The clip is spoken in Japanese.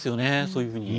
そういうふうに。